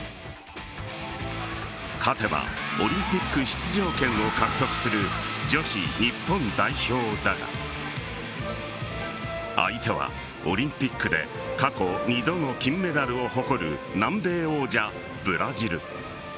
勝てばオリンピック出場権を獲得する女子日本代表だが相手はオリンピックで過去２度の金メダルを誇る南米王者・ブラジル。